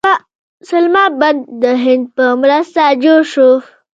سلما بند د هند په مرسته جوړ شو